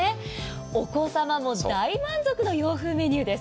お子様も大満足の洋風メニューです。